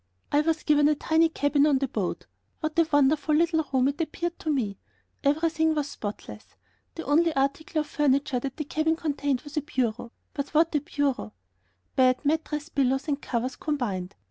I was given a tiny cabin on the boat. What a wonderful little room it appeared to me! Everything was spotless. The only article of furniture that the cabin contained was a bureau, but what a bureau: bed, mattress, pillows, and covers combined.